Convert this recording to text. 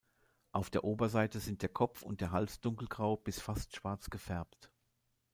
Auf der Oberseite sind der Kopf und der Hals dunkelgrau bis fast schwarz gefärbt.